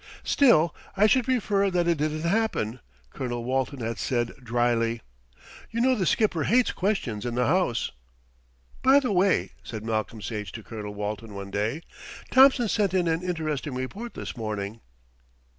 "Still I should prefer that it didn't happen," Colonel Walton had said drily. "You know the Skipper hates questions in the House." "By the way," said Malcolm Sage to Colonel Walton one day, "Thompson sent in an interesting report this morning."